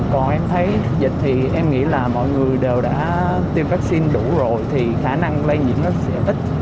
còn em thấy dịch thì em nghĩ là mọi người đều đã tiêm vaccine đủ rồi thì khả năng lây nhiễm sẽ ít